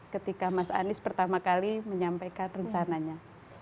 ketika mas anies pertama kali menyampaikan rencananya